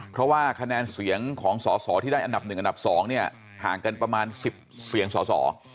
เพราะว่าคะแนนเสียงของสอสอที่ได้อันดับ๑อันดับ๒เนี่ยห่างกันประมาณ๑๐เสียงสอสอ